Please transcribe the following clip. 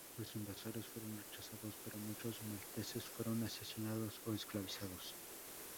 Los invasores fueron rechazados pero muchos malteses fueron asesinados o esclavizados.